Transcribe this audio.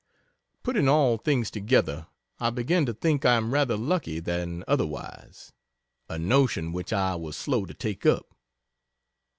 Putting all things together, I begin to think I am rather lucky than otherwise a notion which I was slow to take up.